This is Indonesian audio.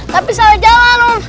tapi salah jalan om